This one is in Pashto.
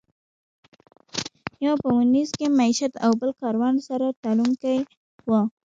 یو په وینز کې مېشت او بل کاروان سره تلونکی و.